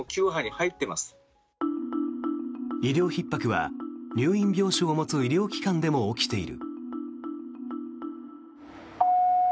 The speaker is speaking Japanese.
医療ひっ迫は入院病床を持つ医療機関でも起きている。